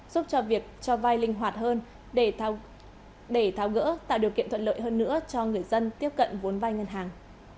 giúp cho việc cho vai linh hoạt hơn để tháo gỡ tạo điều kiện thuận lợi hơn nữa cho người dân tiếp cận vốn vai ngân hàng